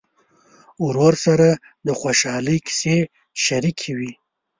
ورور سره د خوشحالۍ کیسې شريکې وي.